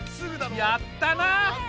やったな！